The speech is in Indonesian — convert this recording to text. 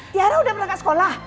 tiara udah berangkat sekolah